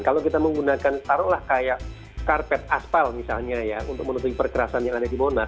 kalau kita menggunakan taruhlah kayak karpet aspal misalnya ya untuk menutupi perkerasan yang ada di monas